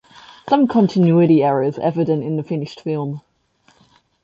Some continuity errors are evident in the finished film.